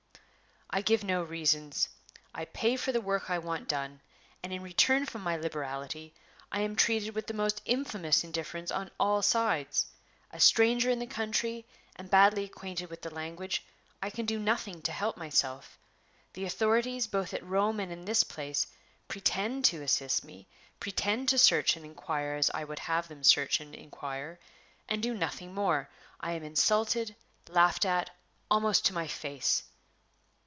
"I give no reasons. I pay for the work I want done, and, in return for my liberality, I am treated with the most infamous indifference on all sides. A stranger in the country, and badly acquainted with the language, I can do nothing to help myself. The authorities, both at Rome and in this place, pretend to assist me, pretend to search and inquire as I would have them search and inquire, and do nothing more. I am insulted, laughed at, almost to my face."